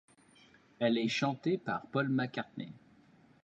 Elle est chantée par Paul McCartney.